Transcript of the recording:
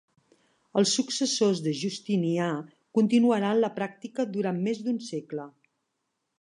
Els successors de Justinià continuaran la pràctica durant més d'un segle.